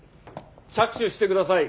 着手してください。